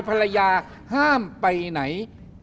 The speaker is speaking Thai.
ภรรยาห้ามไปไหน